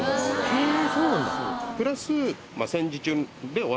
へぇ。